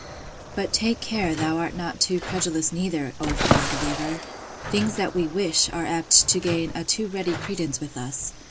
—But take care thou art not too credulous neither, O fond believer! Things that we wish, are apt to gain a too ready credence with us.